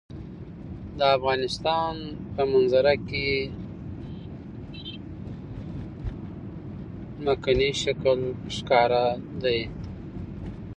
د افغانستان په منظره کې ځمکنی شکل ښکاره دی.